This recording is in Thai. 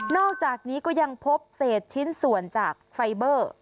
อกจากนี้ก็ยังพบเศษชิ้นส่วนจากไฟเบอร์